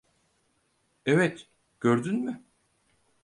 Evet, gördün mü?